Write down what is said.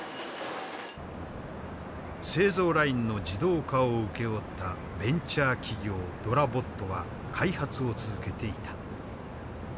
製造ラインの自動化を請け負ったベンチャー企業ｄｏｒａｂｏｔは開発を続けていた。